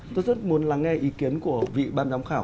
tôi rất muốn lắng nghe ý kiến của vị ban giám khảo